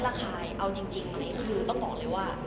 ถ้าระแคลเอาจริงคือต้องบอกเลยว่า